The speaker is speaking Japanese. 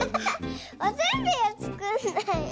おせんべいはつくんないよ。